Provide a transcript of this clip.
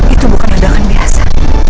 itu bukan adakan biasa